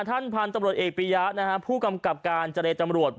ท่านพันธุ์ตำรวจเอกปียะนะฮะผู้กำกับการเจรตำรวจ